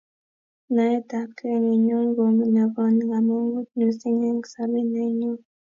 naet ab kee nenyon ko nebo kamangut missing eng sabet nenyo